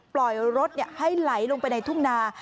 ปล่อยรถให้ไหลลงไปในทุ่งนา